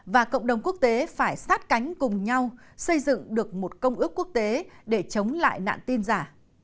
và cộng đồng quốc tế phải sát cánh cùng nhau xây dựng được một công ước quốc tế để chống lại nạn tin giả